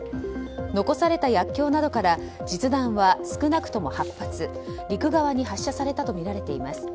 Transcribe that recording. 残された薬きょうなどから実弾は少なくとも８発陸側に発射されたとみられています。